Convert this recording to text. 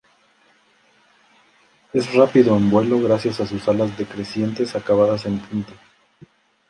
Es rápido en vuelo gracias a sus alas decrecientes acabadas en punta.